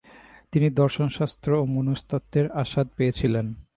তিনি দর্শন শাস্ত্র ও মনস্তত্বের আস্বাদ পেয়েছিলেন।